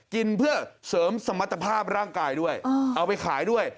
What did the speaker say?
กินเพื่อเสริมสมรรถภาพร่างกายด้วยเอาไปขายด้วย